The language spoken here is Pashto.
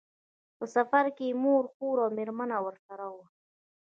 په سفر کې یې مور، خور او مېرمنه ورسره وو.